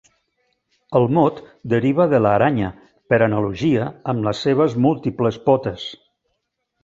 El mot deriva de l'aranya, per analogia amb les seves múltiples potes.